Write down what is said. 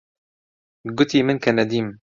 گوتی من کەنەدیم.